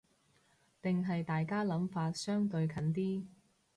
定係大家諗法相對近啲